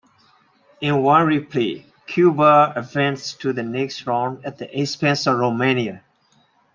In one replay, Cuba advanced to the next round at the expense of Romania.